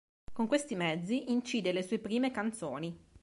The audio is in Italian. Con questi mezzi incide le sue prime canzoni.